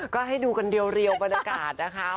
ก็ให้ดูกันเรียวบรรยากาศนะคะ